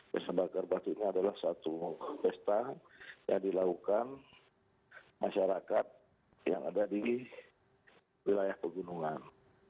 pesta bakar batu ini adalah satu pesta yang dilakukan masyarakat yang ada di wilayah pegunungan